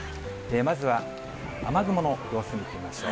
まずは雨雲の様子、見てみましょう。